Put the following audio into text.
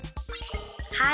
はい！